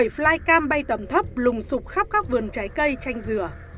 bảy flycam bay tầm thấp lùng sụp khắp các vườn trái cây chanh dừa